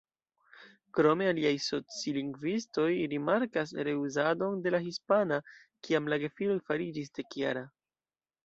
Krome aliaj socilingvistoj rimarkas reuzadon de la hispana, kiam la gefiloj fariĝis dek-jaraj.